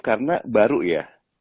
karena baru ya